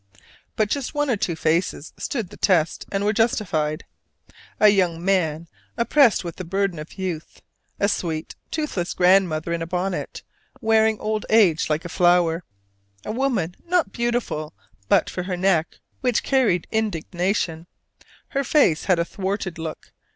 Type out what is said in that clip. But just one or two faces stood the test, and were justified: a young man oppressed with the burden of youth; a sweet, toothless grandmother in a bonnet, wearing old age like a flower; a woman not beautiful but for her neck which carried indignation; her face had a thwarted look.